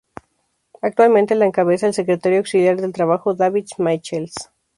Actualmente, la encabeza el Secretario Auxiliar del Trabajo, David Michaels.